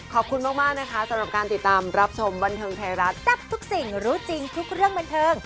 ขอบคุณมากนะคะสำหรับการติดตามรับชมบันเทิงไทยรัฐจับทุกสิ่งรู้จริงทุกเรื่องบันเทิง